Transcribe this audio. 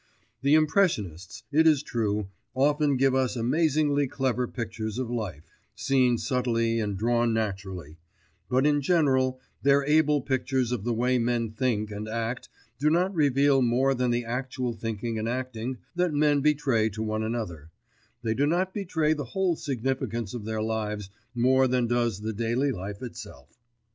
The Impressionists, it is true, often give us amazingly clever pictures of life, seen subtly and drawn naturally; but, in general, their able pictures of the way men think and act do not reveal more than the actual thinking and acting that men betray to one another, they do not betray the whole significance of their lives more than does the daily life itself.